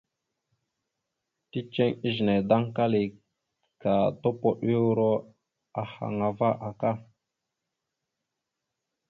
Ticeŋ izəne ya daŋkali ka tondoyoro ahaŋ ava aka.